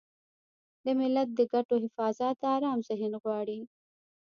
د ملت د ګټو حفاظت ارام ذهن غواړي.